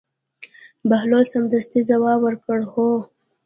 بهلول سمدستي ځواب ورکړ: هو.